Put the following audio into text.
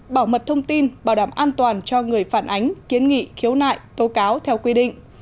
bảo mật thông tin bảo đảm an toàn cho người phản ánh kiến nghị khiếu nại tố cáo theo quy định